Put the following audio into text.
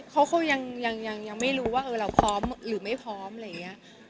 เขาคงยังไม่รู้ว่าเราพร้อมหรือไม่พร้อมอะไรอย่างนี้